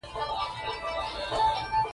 اوبه د خندا سبب ګرځي.